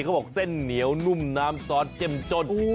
เขาบอกเส้นเหนียวนุ่มน้ำซอสเจ้มจ้น